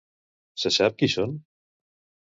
Se sap qui són?